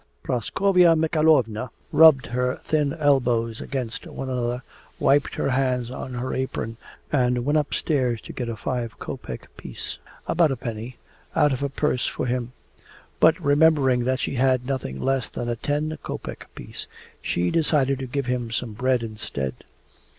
Praskovya Mikhaylovna rubbed her thin elbows against one another, wiped her hands on her apron and went upstairs to get a five kopek piece [about a penny] out of her purse for him, but remembering that she had nothing less than a ten kopek piece she decided to give him some bread instead.